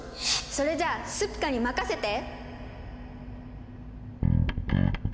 それじゃあスピカに任せて！